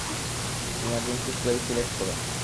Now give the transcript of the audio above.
Emergency fuel select করো!